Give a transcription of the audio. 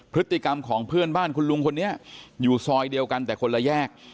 พฤติกรรมของเพื่อนบ้านคุณลุงคนนี้อยู่ซอยเดียวกันแต่คนละแยก